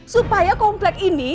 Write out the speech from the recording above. supaya komplek ini